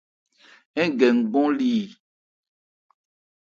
Ń gɛ nkɔn li yi.